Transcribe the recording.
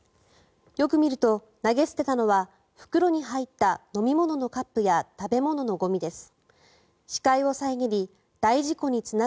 よく見ると、投げ捨てたのは袋に入った飲み物のカップや食べ物のゴミです。